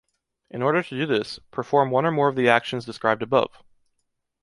In order to do this, perform one or more of the actions described above.